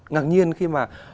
ngạc nhiên khi mà